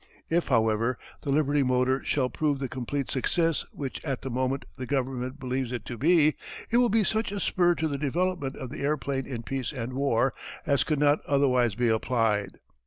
If, however, the Liberty motor shall prove the complete success which at the moment the government believes it to be, it will be such a spur to the development of the airplane in peace and war, as could not otherwise be applied.